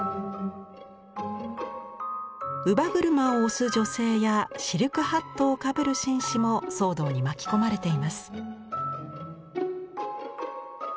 乳母車を押す女性やシルクハットをかぶる紳士も騒動に巻き込まれています。